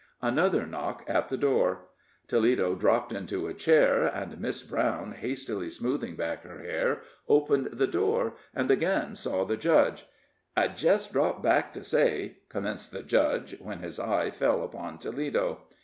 Another knock at the door. Toledo dropped into a chair, and Miss Brown, hastily smoothing back her hair, opened the door, and again saw the judge. "I jest dropped back to say " commenced the judge, when his eye fell upon Toledo.